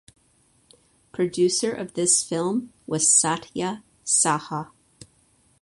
Producer of this film was Satya Saha.